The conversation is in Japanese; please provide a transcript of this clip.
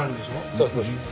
そうそうそう。